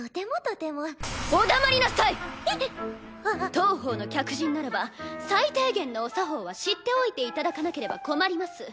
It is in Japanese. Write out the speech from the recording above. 当方の客人ならば最低限のお作法は知っておいていただかなければ困ります。